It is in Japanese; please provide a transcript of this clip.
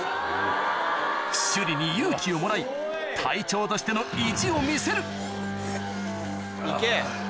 趣里に勇気をもらい隊長としての意地を見せる行け。